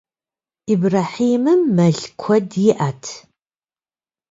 Ибрэхьимым мэл куэд иӏэт.